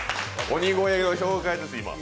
鬼越の紹介です、今。